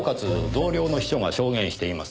同僚の秘書が証言しています。